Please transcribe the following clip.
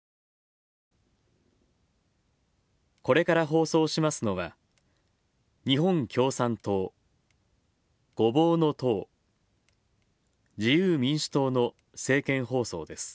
これから放送しますのは、日本共産党ごぼうの党自由民主党の政見放送です。